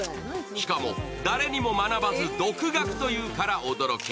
しかも、誰にも学ばず独学というから驚き。